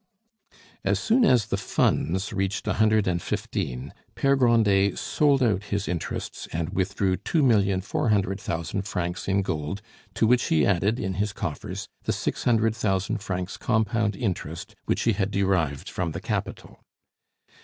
As soon as the Funds reached a hundred and fifteen, Pere Grandet sold out his interests and withdrew two million four hundred thousand francs in gold, to which he added, in his coffers, the six hundred thousand francs compound interest which he had derived from the capital.